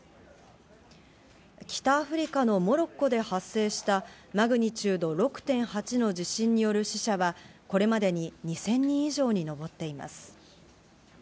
北アフリカのモロッコで発生したマグニチュード６．８の地震による死者は、これまでに２０００人以上に上っています。